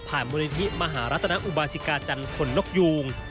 ผ่านบริธีมหารัฐนาอุบาซิกาจร์คนกนกยูง